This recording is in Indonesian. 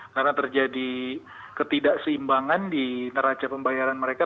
karena terjadi ketidakseimbangan di naraca pembayaran mereka